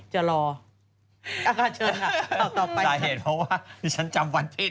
จะรอเอาค่ะเชิญค่ะเอาต่อไปสาเหตุเพราะว่านี่ฉันจำวันผิด